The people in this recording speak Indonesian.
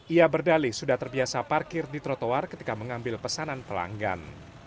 ia berdalih sudah terbiasa parkir di trotoar ketika mengambil pesanan pelanggan